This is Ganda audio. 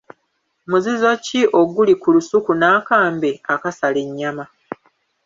Muzizo ki oguli ku lusuku n’akambe akasala ennyama?